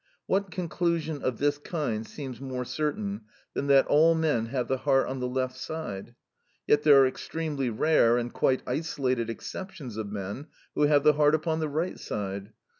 What conclusion of this kind seems more certain than that all men have the heart on the left side? Yet there are extremely rare and quite isolated exceptions of men who have the heart upon the right side.